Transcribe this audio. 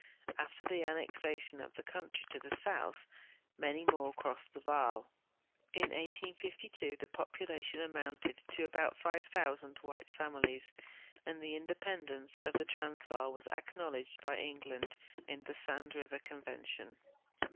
After the annex ation of the country to the soutli, many more crossed the Vaal. In 1852 the population amounted to about 5,000 white families, and the independence of the Transvaal was acknowledged by England in the Sand River Convention.